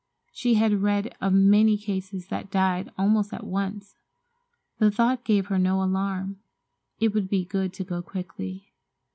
She had read of many cases that died almost at once. The thought gave her no alarm. It would be good to go quickly.